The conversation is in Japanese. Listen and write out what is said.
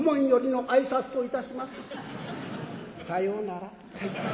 さよなら。